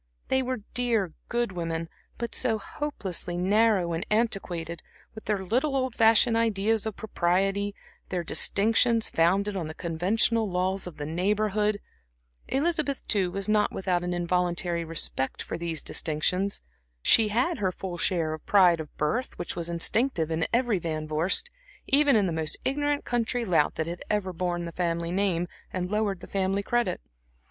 They were dear, good women, but so hopelessly narrow and antiquated, with their little old fashioned ideas of propriety, their distinctions founded on the conventional laws of the Neighborhood. Elizabeth, too, was not without an involuntary respect for these distinctions. She had her full share of the pride of birth which was instinctive in every Van Vorst, even in the most ignorant country lout that had ever borne the family name and lowered the family credit.